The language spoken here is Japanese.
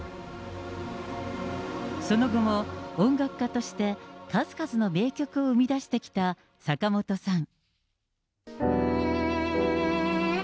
その後も音楽家として数々の名曲を生み出してきた坂本さん。